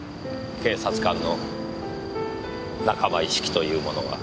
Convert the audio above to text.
警察官の仲間意識というものは。